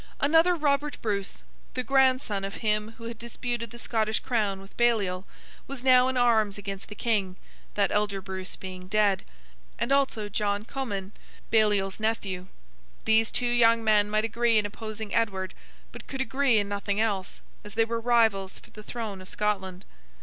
Another Robert Bruce, the grandson of him who had disputed the Scottish crown with Baliol, was now in arms against the King (that elder Bruce being dead), and also John Comyn, Baliol's nephew. These two young men might agree in opposing Edward, but could agree in nothing else, as they were rivals for the throne of Scotland.